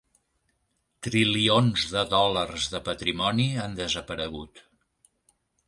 Trilions de dòlars de patrimoni han desaparegut.